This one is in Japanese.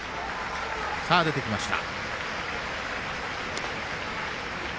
出てきました。